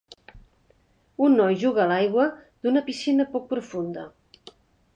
Un noi juga a l'aigua d'una piscina poc profunda.